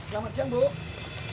selamat siang bu